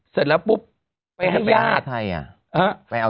เสร็จแล้วปุ๊บไปให้ญาติไปให้ญาติไทยอ่ะ